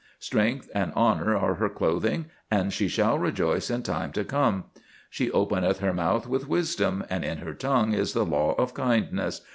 Strength and honour are her clothing: and she shall rejoice in time to come. She openeth her mouth with wisdom; and in her tongue is the law of kindness.